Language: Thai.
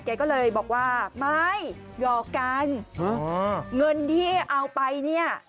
แกก็เลยบอกว่าไม่หยอกกันเงินที่เอาไปเนี่ย